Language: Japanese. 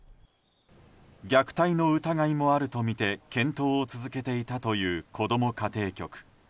虐待の疑いもあるとみて検討を続けていたというこども家庭局。